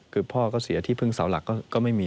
คือพ่อก็เสียที่พึ่งเสาหลักก็ไม่มี